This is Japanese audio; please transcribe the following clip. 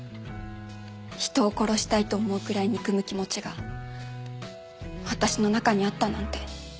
人を殺したいと思うくらい憎む気持ちが私の中にあったなんて。